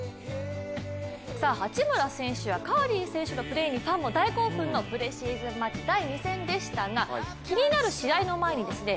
八村選手やカリー選手のプレーにファンも大興奮のプレシーズンマッチでしたが気になる試合の前にですね